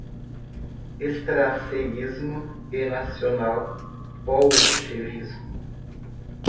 Strasserismo e nacional-bolchevismo